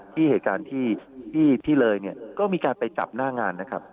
ที่เหตุการณ์ที่เลยเนี่ยก็มีการไปจับหน้างานนะครับ